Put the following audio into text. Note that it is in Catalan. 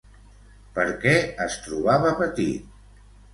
Per què es trobava petit?